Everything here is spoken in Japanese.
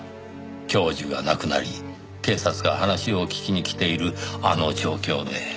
教授が亡くなり警察が話を聞きに来ているあの状況で。